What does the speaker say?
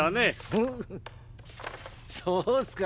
フンフそうっすか？